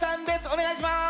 お願いします！